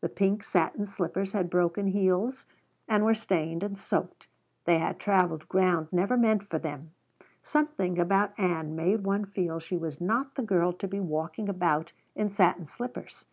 The pink satin slippers had broken heels and were stained and soaked. They had traveled ground never meant for them. Something about Ann made one feel she was not the girl to be walking about in satin slippers.